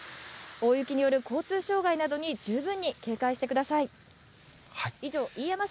大雪による交通障害などに十分に警戒してください。